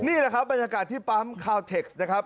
นี่แหละครับบรรยากาศที่ปั๊มคาวเทคสนะครับ